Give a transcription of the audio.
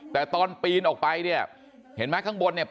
แต่ตอนปีนออกไปเนี่ยเห็นไหมข้างบนเนี่ย